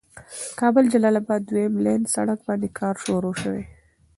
کابل جلال آباد دويم لين سړک باندې کار شروع شوي.